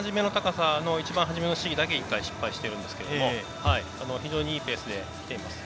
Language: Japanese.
一番初めの試技だけ失敗してるんですけど非常にいいペースできています。